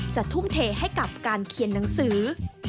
ทุ่มเทให้กับการเขียนหนังสือ